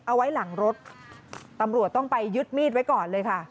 เอาไว้หลังรถตำรวจต้องไปยึดมีดไว้ก่อนเลยค่ะ